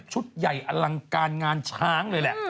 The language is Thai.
ชุดใหญ่อลังการงานช้างเลยแหละ